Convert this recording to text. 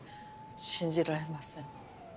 信じられません。